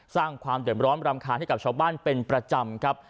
สร้างความเดือดร้อนรำคาญให้กับชาวบ้านเป็นประจำครับ